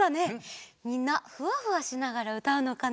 みんなふわふわしながらうたうのかな。